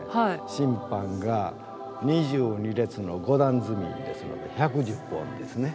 「審判」が２２列の５段積みですので１１０本ですね。